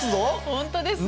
本当ですね。